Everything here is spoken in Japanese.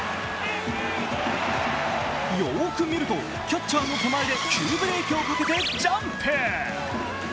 よーく見ると、キャッチャーの手前で急ブレーキをかけてジャンプ！